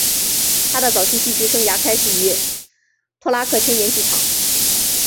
他的早期戏剧生涯开始于托拉克青年剧场。